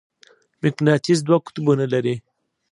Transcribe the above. مقناطیس دوه قطبونه لري.